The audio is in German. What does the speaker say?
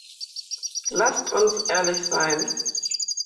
Lasst uns ehrlich sein.